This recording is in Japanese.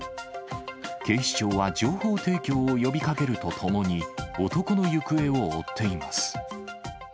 警視庁は情報提供を呼びかけるとともに、男の行方を追っています。